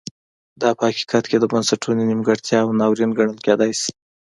دا په حقیقت کې د بنسټونو نیمګړتیا او ناورین ګڼل کېدای شي.